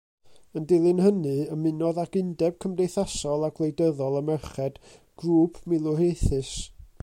Yn dilyn hynny, ymunodd ag Undeb Cymdeithasol a Gwleidyddol y Merched, grŵp milwriaethus.